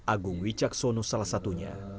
agung wijaksono salah satunya